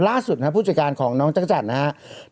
ล่าสุดนะครับผู้จัดการของน้องจักรจันทร์นะครับ